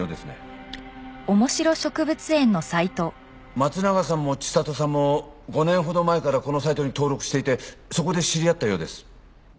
松永さんも知里さんも５年ほど前からこのサイトに登録していてそこで知り合ったようです。